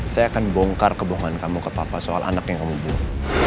saya akan bongkar kebohongan kamu ke papa soal anak yang kamu buang